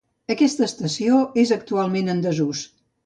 Aquesta estació és actualment en desús.